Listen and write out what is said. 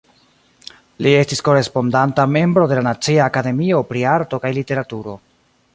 Li estis korespondanta membro de la Nacia Akademio pri Arto kaj Literaturo.